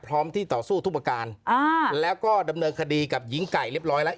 พร้อมที่ต่อสู้ทุกประการอ่าแล้วก็ดำเนินคดีกับหญิงไก่เรียบร้อยแล้ว